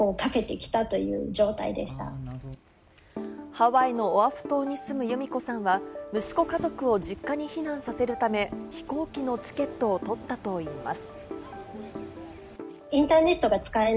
ハワイのオアフ島に住む由美子さんは息子家族を実家に避難させるため、飛行機のチケットを取ったといいます。